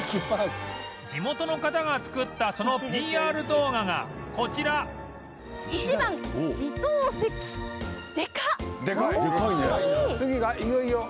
地元の方が作ったその ＰＲ 動画がこちらでかっ！